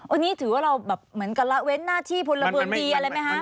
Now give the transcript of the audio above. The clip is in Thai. อันนี้ถือว่าเราเหมือนกัลเว้นหน้าที่ผลเทียงดีอะไรไหม